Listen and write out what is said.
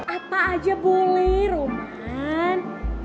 apa aja boleh roman